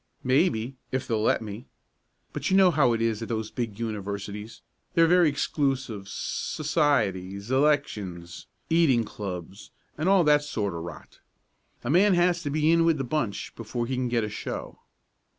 "Maybe if they'll let me. But you know how it is at those big universities. They are very exclusive societies elections eating clubs and all that sort of rot. A man has to be in with the bunch before he can get a show."